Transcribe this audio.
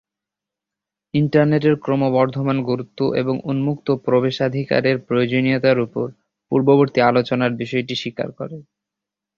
ইন্টারনেটের ক্রমবর্ধমান গুরুত্ব এবং উন্মুক্ত প্রবেশাধিকারের প্রয়োজনীয়তার উপর পূর্ববর্তী আলোচনার বিষয়টি স্বীকার করে।